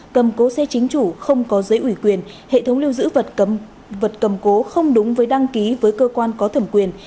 cầm cố xe chính chủ không có giấy ủy quyền hệ thống lưu giữ vật cầm cố không đúng với đăng ký với cơ quan có thẩm quyền